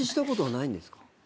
ないんです。